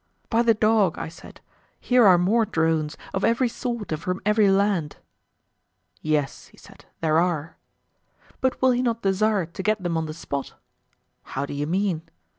By the dog! I said, here are more drones, of every sort and from every land. Yes, he said, there are. But will he not desire to get them on the spot? How do you mean?